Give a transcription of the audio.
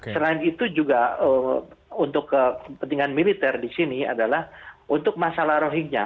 selain itu juga untuk kepentingan militer di sini adalah untuk masalah rohingya